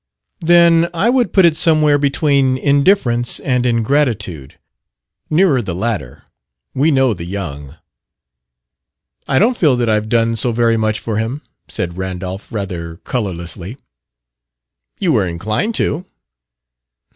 "Then I would put it somewhere between indifference and ingratitude. Nearer the latter. We know the young." "I don't feel that I've done so very much for him," said Randolph, rather colorlessly. "You were inclined to."